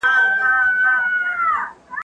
زه کولای سم امادګي ونيسم.